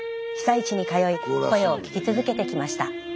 被災地に通い声を聞き続けてきました。